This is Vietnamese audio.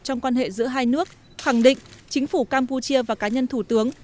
trong quan hệ giữa hai nước khẳng định chính phủ campuchia và cá nhân thủ tướng